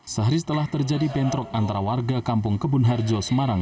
sehari setelah terjadi bentrok antara warga kampung kebun harjo semarang